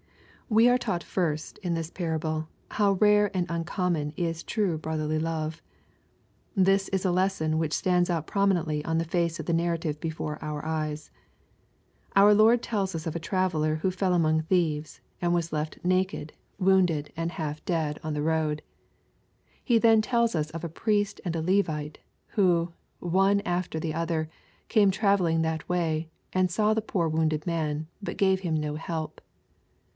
We are taught, first, in this parable, how rare and \, uncommon is true brotherly love. This is a lesson which stands out prominently on the face of the narrative be fore our eyes. Our Lord tells us of a traveller who fell among thieves, and was left naked, wounded, and half S76 SXPOSITOBT THOUGHTS. dead on the road. He then tells os of a priest and a Levite, who, one after the other, came travelling that way, and saw the poor wounded man, but gave him no help.